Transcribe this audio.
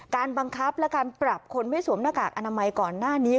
การบังคับและการปรับคนไม่สวมหน้ากากอนามัยก่อนหน้านี้